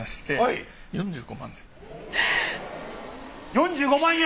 ４５万円！